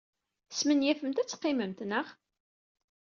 Tesmenyafemt ad teqqimemt, naɣ?